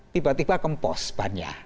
tiba tiba kempos banyak